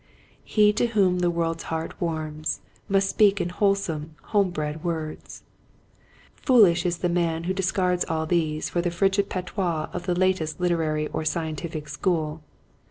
" He to whom the world's heart warms Must speak in wholesome, home bred words." Foolish is the man who discards all these for the frigid patois of the latest literary or scientific school.